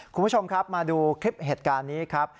คุณผู้ชมครับมาดูคลิปเหตุการณ์นี้ครับ